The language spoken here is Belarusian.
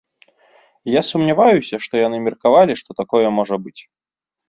І я сумняваюся, што яны меркавалі, што такое можа быць.